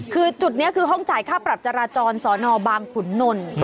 คือจุดนี้คือห้องจ่ายค่าปรับจราจรสอนอบางขุนนล